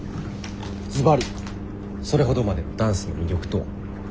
ずばりそれほどまでのダンスの魅力とは？